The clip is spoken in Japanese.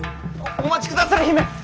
お待ちくだされ姫！